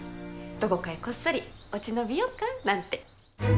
どこかへこっそり落ち延びようかなんて。